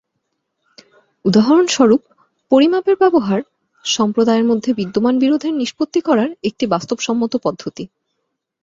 উদাহরণস্বরূপ, পরিমাপের ব্যবহার, সম্প্রদায়ের মধ্যে বিদ্যমান বিরোধের নিষ্পত্তি করার একটি বাস্তবসম্মত পদ্ধতি।